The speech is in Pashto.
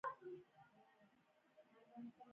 آیا د پښتنو په کلتور کې د خطاطۍ هنر ارزښت نلري؟